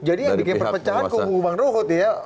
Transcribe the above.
jadi yang bikin perpecahan kubu bang ruhut ya